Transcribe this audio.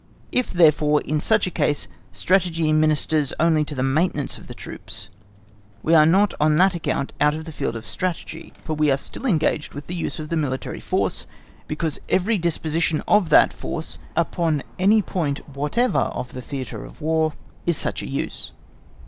If, therefore, in such a case strategy ministers only to the maintenance of the troops, we are not on that account out of the field of strategy, for we are still engaged with the use of the military force, because every disposition of that force upon any point Whatever of the theatre of War is such a use.